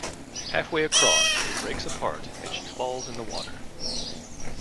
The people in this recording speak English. Halfway across, it breaks apart and she falls in the water.